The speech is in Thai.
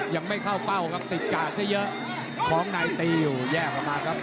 ยังไม่เข้าเป้าก็ติดการซะเยอะของนายตีวแยกมามาครับ